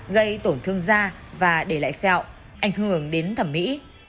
gây tổn thương da và để lại sẹo ảnh hưởng đến thẩm mỹ